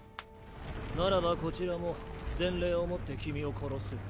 ならばこちらも全霊をもって君を殺す。